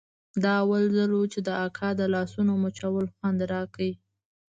دا اول ځل و چې د اکا د لاسونو مچول خوند راکړ.